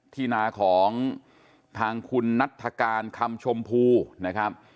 ที่นาของทางคุณนัฐการคำชมพูนะครับ